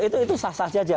itu sah sah saja